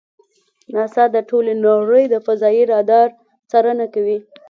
ناسا د ټولې نړۍ د فضایي رادار څارنه کوي.